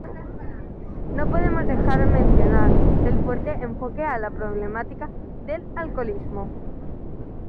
No podemos dejar de mencionar el fuerte enfoque a la problemática del alcoholismo.